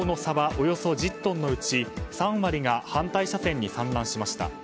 およそ１０トンのうち３割が反対車線に散乱しました。